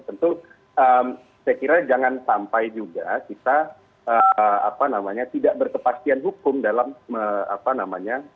tentu saya kira jangan sampai juga kita tidak berkepastian hukum dalam apa namanya